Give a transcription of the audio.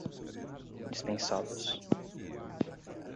dispensadas